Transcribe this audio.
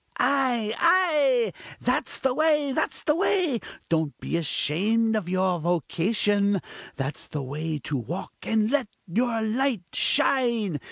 "Ay! ay! that's the way! that's the way! don't be ashamed of your vocation that's the way to walk and let your light shine!